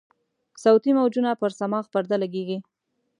صوتي موجونه پر صماخ پرده لګیږي.